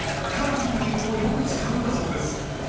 筋肉をよく使うんだそうです。